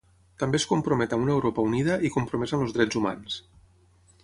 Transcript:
També es compromet amb una Europa unida i compromesa amb els drets humans.